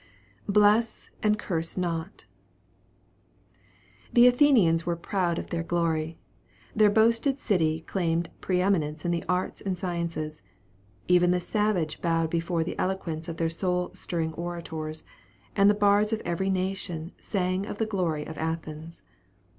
"BLESS, AND CURSE NOT." The Athenians were proud of their glory. Their boasted city claimed pre eminence in the arts and sciences; even the savage bowed before the eloquence of their soul stirring orators; and the bards of every nation sang of the glory of Athens.